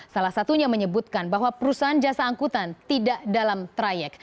salah satunya menyebutkan bahwa perusahaan jasa angkutan tidak dalam trayek